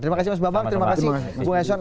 terima kasih mas bambang terima kasih bu eson